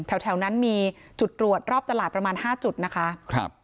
แถวนั้นมีจุดตรวจรอบตลาดประมาณ๕จุดนะคะครับ